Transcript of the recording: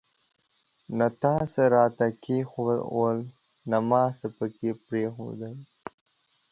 نه تا څه راته کښېښوول ، نه ما څه پکښي پريښودل.